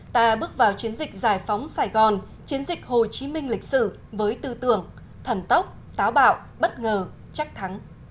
ta bước vào chiến dịch giải phóng sài gòn chiến dịch hồ chí minh lịch sử với tư tưởng thần tốc táo bạo bất ngờ chắc thắng